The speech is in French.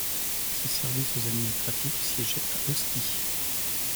Ses services administratifs siégeaient à Ostie.